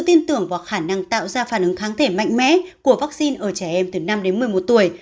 tin tưởng vào khả năng tạo ra phản ứng kháng thể mạnh mẽ của vaccine ở trẻ em từ năm đến một mươi một tuổi